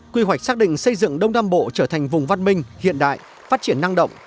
quy hoạch xác định xây dựng đông nam bộ trở thành vùng văn minh hiện đại phát triển năng động